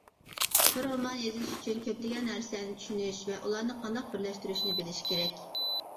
بىر رومان يېزىش ئۈچۈن كۆپلىگەن نەرسىلەرنى چۈشىنىش ۋە ئۇلارنى قانداق بىرلەشتۈرۈشنى بىلىش كېرەك.